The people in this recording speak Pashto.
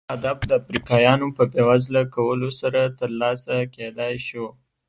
دا هدف د افریقایانو په بېوزله کولو سره ترلاسه کېدای شو.